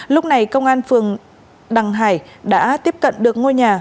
lúc này công an phường đằng hải đã tiếp cận được ngôi nhà